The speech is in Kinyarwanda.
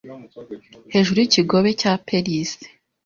hejuru y’ikigobe cya Perisi